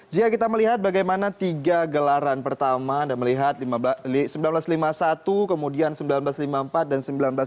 jika kita melihat bagaimana tiga gelaran pertama anda melihat seribu sembilan ratus lima puluh satu kemudian seribu sembilan ratus lima puluh empat dan seribu sembilan ratus sembilan puluh